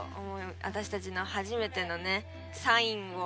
私たちの初めてのねサインを。